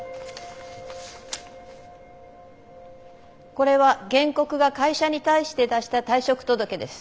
これは原告が会社に対して出した退職届です。